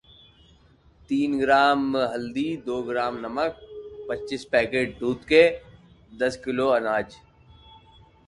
Crow Village is northeast of Bethel.